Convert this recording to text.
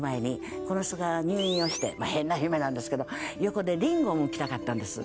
この人が入院をしてまあ変な夢なんですけど横でリンゴをむきたかったんです。